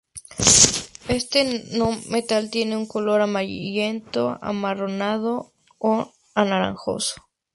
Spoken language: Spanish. Este no metal tiene un color amarillento, amarronado o anaranjado.